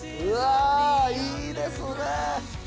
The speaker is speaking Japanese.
うわいいですね！